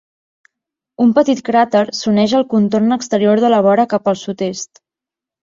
Un petit cràter s'uneix al contorn exterior de la vora cap al sud-est.